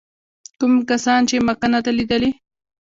کوم کسان چې مکه نه ده لیدلې.